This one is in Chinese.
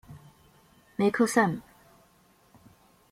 梅克赛姆。